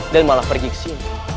dan malah pergi kesini